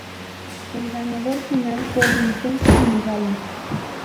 El ganador final fue Vincenzo Nibali.